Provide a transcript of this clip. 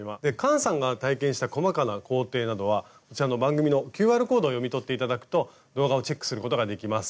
菅さんが体験した細かな工程などはこちらの番組のＱＲコードを読み取って頂くと動画をチェックすることができます。